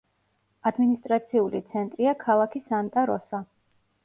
ადმინისტრაციული ცენტრია ქალაქი სანტა-როსა.